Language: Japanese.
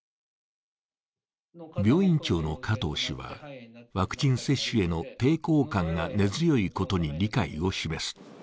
病院長の賀藤氏はワクチン接種への抵抗感が根強いことに理解を示す。